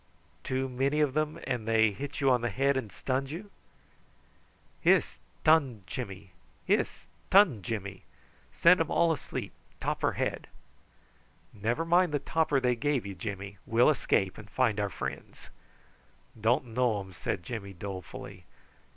"Too many of them, and they hit you on the head and stunned you?" "Hiss! 'tunned Jimmy. Hiss! 'tunned Jimmy. Send um all asleep. Topper head." "Never mind the topper they gave you, Jimmy. We'll escape and find our friends." "Don't know um," said Jimmy dolefully.